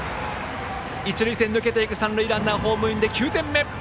一塁線、抜けていく三塁ランナー、ホームインで９点目！